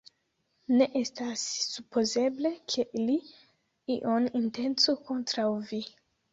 Ne estas supozeble, ke li ion intencu kontraŭ vi!